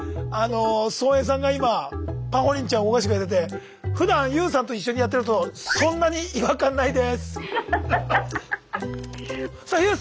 操演さんが今ぱほりんちゃんを動かしてくれててふだんＹＯＵさんと一緒にやってるのとハッハッハッハ！